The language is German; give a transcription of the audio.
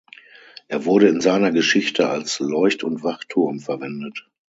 Er wurde in seiner Geschichte als Leucht- und Wachturm verwendet.